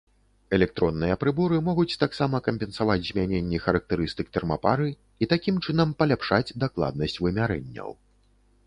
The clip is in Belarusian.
Электронныя прыборы могуць таксама кампенсаваць змяненні характарыстык тэрмапары, і такім чынам паляпшаць дакладнасць вымярэнняў.